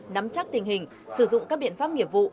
nắm chắc tình hình sử dụng các biện pháp nghiệp vụ